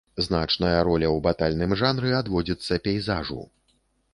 Значная роля ў батальным жанры адводзіцца пейзажу.